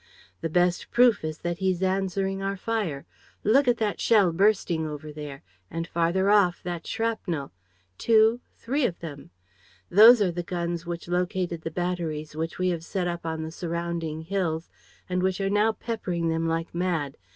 The best proof is that he's answering our fire. Look at that shell bursting over there ... and, farther off, that shrapnel ... two ... three of them. Those are the guns which located the batteries which we have set up on the surrounding hills and which are now peppering them like mad.